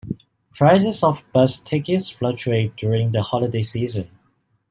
Prices of bus tickets fluctuate during the holiday season.